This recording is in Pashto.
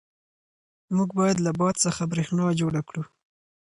موږ باید له باد څخه برېښنا جوړه کړو.